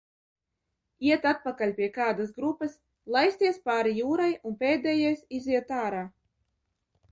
"Iet atpakaļ pie kādas grupas, laisties pāri jūrai un pēdējais, "iziet ārā"."